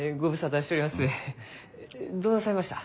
どうなさいました？